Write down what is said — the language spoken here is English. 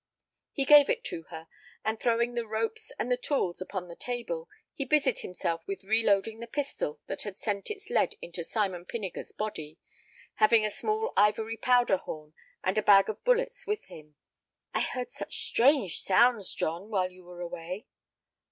He gave it to her, and, throwing the ropes and tools upon the table, he busied himself with reloading the pistol that had sent its lead into Simon Pinniger's body, having a small ivory powder horn and a bag of bullets with him. "I heard such strange sounds, John, while you were away!"